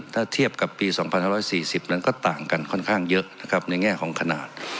ถ้าเทียบกับปี๒๕๔๐นั้นก็ต่างกันค่อนข้างเยอะนะครับในแง่ของขนาด